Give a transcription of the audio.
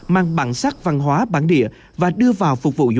mang bản sắc văn hóa bản địa và đưa vào phục vụ